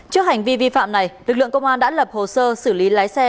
trước hành vi vi phạm này lực lượng công an đã lập hồ sơ xử lý lái xe